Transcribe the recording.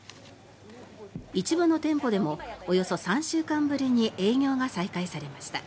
一部の店舗でもおよそ３週間ぶりに営業が再開されました。